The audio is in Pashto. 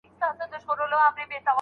پلار ناپوه نه دی.